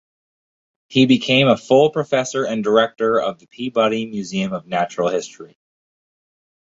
He became a full professor and director of the Peabody Museum of Natural History.